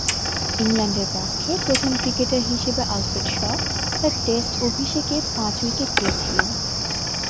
ইংল্যান্ডের পক্ষে প্রথম ক্রিকেটার হিসেবে আলফ্রেড শ তার টেস্ট অভিষেকে পাঁচ-উইকেট পেয়েছিলেন।